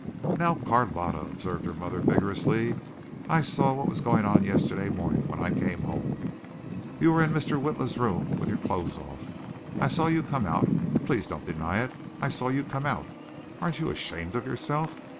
"Now, Carlotta," observed her mother vigorously, "I saw what was going on yesterday morning when I came home. You were in Mr. Witla's room with your clothes off. I saw you come out. Please don't deny it. I saw you come out. Aren't you ashamed of yourself?